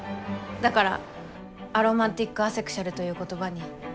だからアロマンティックアセクシュアルという言葉に。